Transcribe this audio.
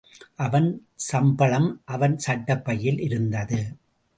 அவன் சம்பளம், அவன் சட்டைப்பையில் இருந்தது.